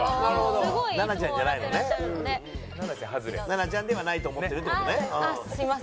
奈々ちゃんではないと思ってるっていう事ね？